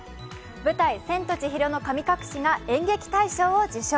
舞台「千と千尋の神隠し」が演劇大賞を受賞。